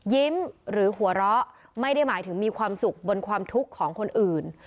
หรือหัวเราะไม่ได้หมายถึงมีความสุขบนความทุกข์ของคนอื่น